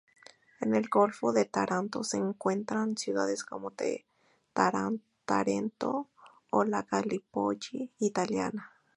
En el golfo de Taranto se encuentran ciudades como Tarento o la Gallipoli italiana.